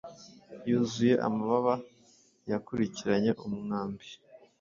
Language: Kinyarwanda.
Yuzuye amababa yakurikiranye umwambi